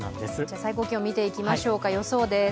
最高気温を見ていきましょうか、予想です。